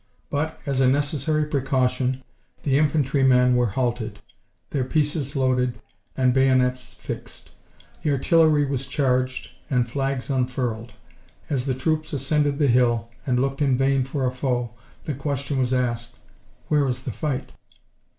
But, as a necessary precaution, the infantry men were halted, their pieces loaded, and bayonets fixed. The artillery was charged, and flags unfurled. As the troops ascended the hill, and looked in vain for a foe, the question was asked: "Where is the fight?"